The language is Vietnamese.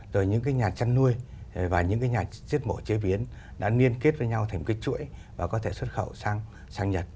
rồi những cái nhà chăn nuôi và những cái nhà giết mổ chế biến đã liên kết với nhau thành một cái chuỗi và có thể xuất khẩu sang nhật